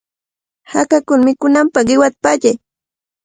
Hakakuna mikunanpaq qiwata pallay.